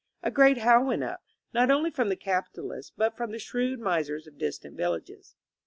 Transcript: A great howl went up, not only from the capitalists, but from the shrewd misers of distant villages.